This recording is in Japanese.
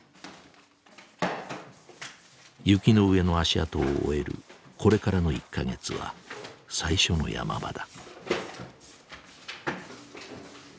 雪の上の足跡を追えるこれからの１か月は最初の山場だ。